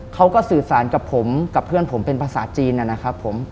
เขาก็สื่อสารกับผมกับเพื่อนผมเป็นภาษาจีนนะครับผม